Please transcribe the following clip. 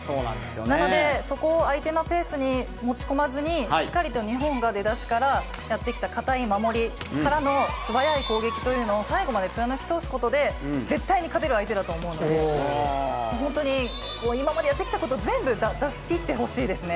なので、そこを相手のペースに持ち込まずに、しっかりと日本が出だしからやってきた堅い守りからの素早い攻撃というのを最後まで貫き通すことで、絶対に勝てる相手だと思うので、本当に今までやってきたことを全部出しきってほしいですね。